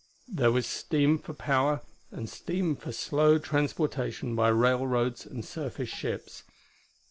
There was steam for power and steam for slow transportation by railroads and surface ships.